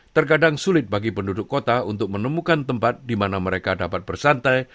sedang sulit bagi penduduk kota untuk menemukan tempat di mana mereka dapat bersantai